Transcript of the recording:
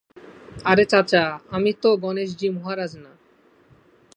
আরে চাচা, আমি তো গণেশজি মহারাজ না।